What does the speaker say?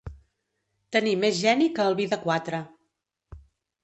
Tenir més geni que el vi de quatre.